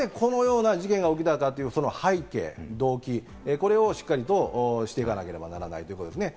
なぜこのような事件が起きたかという背景・動機、これをしっかりとしていかなければならないということですね。